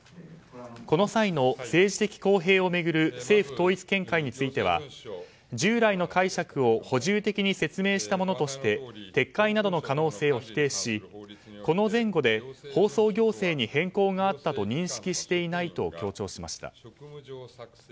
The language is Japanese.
この際の政治的公平を巡る政府統一見解については従来の解釈を補充的に説明したものとして撤回などの可能性を否定し、この前後で放送行政に変更があったと認識していないと強調しました。